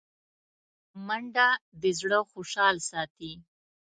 منډه د زړه خوشحال ساتي